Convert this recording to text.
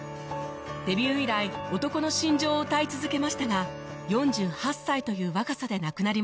デビュー以来男の心情を歌い続けましたが４８歳という若さで亡くなりました